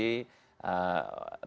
tidak ada yang tidak